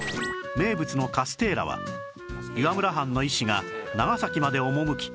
名物のカステーラは岩村藩の医師が長崎まで赴き